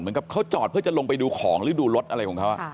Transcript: กับเขาจอดเพื่อจะลงไปดูของหรือดูรถอะไรของเขา